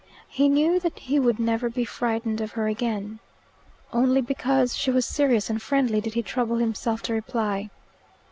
He knew that he would never be frightened of her again. Only because she was serious and friendly did he trouble himself to reply.